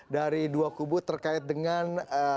dari dua kubu terkait dengan